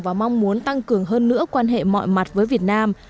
và mong muốn tăng cường hơn nữa quan hệ mọi mặt với việt nam